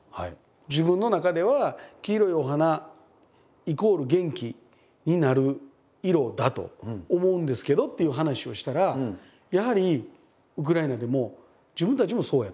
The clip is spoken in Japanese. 「自分の中では黄色いお花イコール元気になる色だと思うんですけど」っていう話をしたらやはりウクライナでも「自分たちもそうや」と。